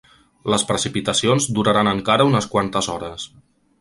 Les precipitacions duraran encara unes quantes hores.